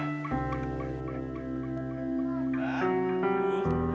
pak afan adalah binatang lagunya